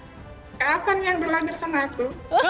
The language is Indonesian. pak afan yang berlagar sama aku